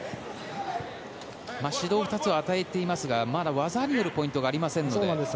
指導２つを与えていますがまだ技によるポイントがありませんので。